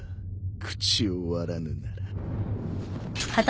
口を割らぬなら。